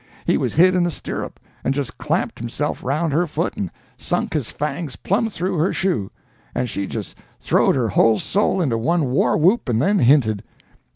He was hid in the stirrup, and just clamped himself around her foot and sunk his fangs plum through her shoe; and she just throwed her whole soul into one war whoop and then hinted.